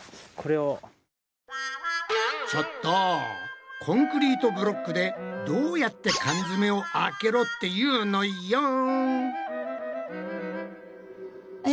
ちょっとコンクリートブロックでどうやって缶詰を開けろっていうのよん！